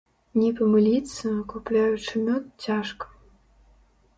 Не памыліцца, купляючы мёд, цяжка.